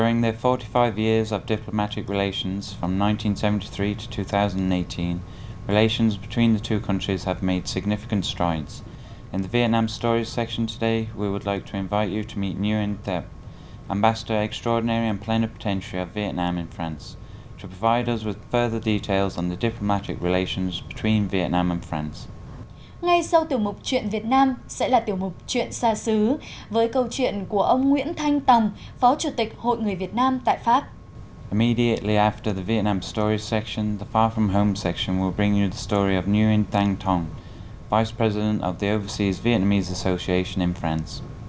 ngay sau tiểu mục chuyện việt nam sẽ là tiểu mục chuyện sa sứ với câu chuyện của ông nguyễn thanh tầng phó chủ tịch hội người việt nam tại pháp